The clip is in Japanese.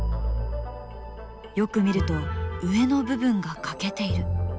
よく見ると上の部分が欠けている。